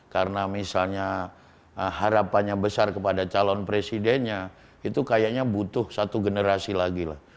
karena misalnya harapannya besar kepada calon presidennya itu kayaknya butuh satu generasi lagi lah